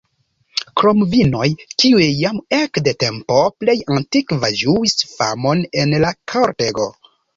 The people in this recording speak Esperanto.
Krom vinoj, kiuj jam ekde tempo plej antikva ĝuis famon en la kortego.